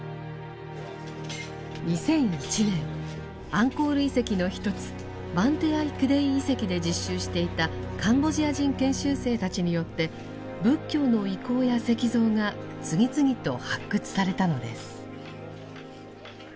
２００１年アンコール遺跡の一つバンテアイ・クデイ遺跡で実習していたカンボジア人研修生たちによって仏教の遺構や石像が次々と発掘されたのです。